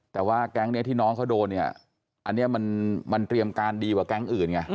แต่ว่าแก๊งนี้ที่น้องเขาโดนเนี่ยอันนี้มันเตรียมการดีกว่าแก๊งอื่นไง